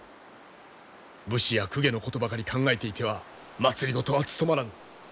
武士や公家のことばかり考えていては政はつとまらぬ。